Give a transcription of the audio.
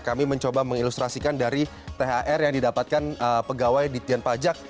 kami mencoba mengilustrasikan dari thr yang didapatkan pegawai di tian pajak